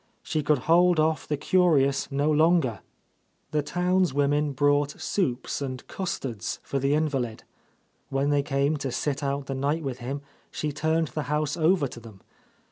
She could hold off the curious no — A Lost Lady longer. The townswomen brought soups and cus tards for the invalid. When they came to sit out the night with him, she turned the house over to them.